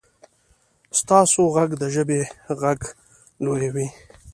ستاسو غږ د ژبې غږ لویوي.